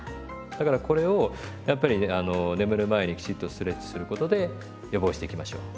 だからこれをやっぱり眠る前にきちっとストレッチすることで予防していきましょう。